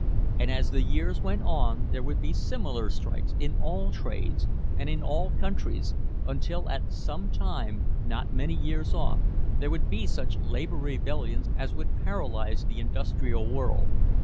And as the years went on there would be similar strikes in all trades and in all countries, until at some time not many years off there would be such labor rebellions as would paralyze the industrial world.